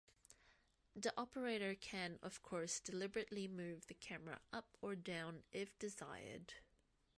The operator can of course deliberately move the camera up or down, if desired.